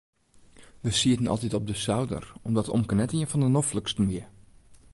We sieten altyd op de souder omdat omke net ien fan de nofliksten wie.